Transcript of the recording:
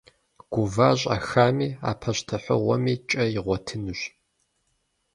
Гува щӏэхами, а пащтыхьыгъуэми кӏэ игъуэтынущ.